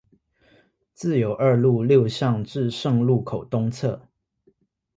自由二路六巷至聖路口東側